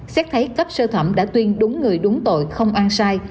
xét thấy cấp sơ thẩm đã tuyên đúng người đúng tội không ăn sai